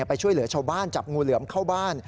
ไปช่วยเหลือชาวบ้านจับงูเหลือมเข้าบ้าน